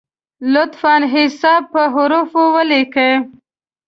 لطفا حساب په حروفو ولیکی!